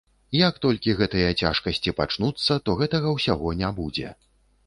Як толькі гэтыя цяжкасці пачнуцца, то гэтага ўсяго не будзе.